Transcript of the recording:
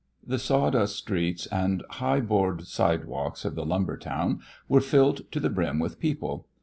The sawdust streets and high board sidewalks of the lumber town were filled to the brim with people.